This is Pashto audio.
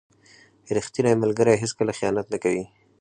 • ریښتینی ملګری هیڅکله خیانت نه کوي.